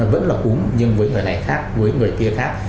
vẫn là cúm nhưng với người này khác với người kia khác